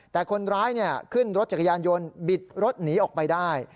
แต่คนร้ายขึ้นรถจักรยานยนต์บิดรถหนีออกไปได้